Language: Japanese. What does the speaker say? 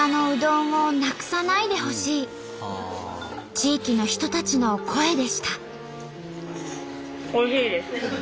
地域の人たちの声でした。